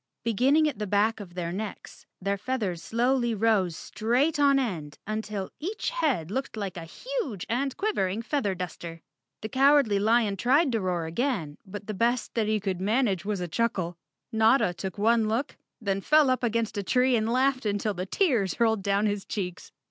Beginning at the back of their necks, their feathers slowly rose straight on end until each head looked like a huge and quivering feather duster. The Cowardly Lion tried to rpar again, but the best that he could manage was a chuckle. Notta took one look, then fell up against a tree and laughed until the tears rolled down his cheeks.